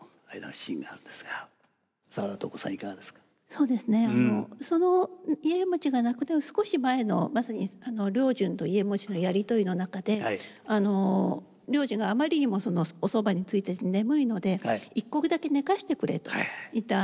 そうですね家茂が亡くなる少し前のまさに良順と家茂のやり取りの中で良順があまりにもおそばについて眠いので一刻だけ寝かしてくれと言った。